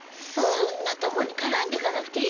そんなとこに絡んでかなくていい？